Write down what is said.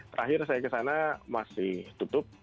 terakhir saya ke sana masih tutup